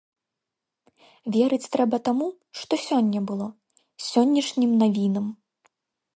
Верыць трэба таму, што сёння было, сённяшнім навінам.